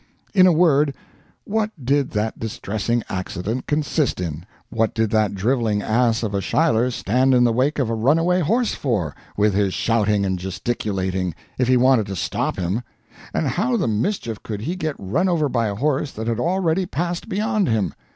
In a word, what did that "distressing accident" consist in? What did that driveling ass of a Schuyler stand in the wake of a runaway horse for, with his shouting and gesticulating, if he wanted to stop him? And how the mischief could he get run over by a horse that had already passed beyond him?